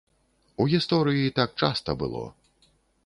У гісторыі так часта было.